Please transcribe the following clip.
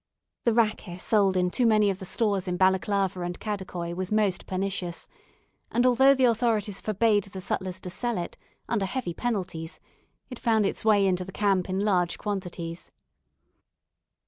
The raki sold in too many of the stores in Balaclava and Kadikoi was most pernicious; and although the authorities forbade the sutlers to sell it, under heavy penalties, it found its way into the camp in large quantities.